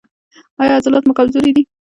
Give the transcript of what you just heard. ایا عضلات مو کمزوري دي؟